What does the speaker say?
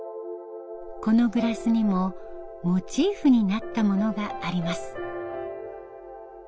このグラスにもモチーフになったものがあります。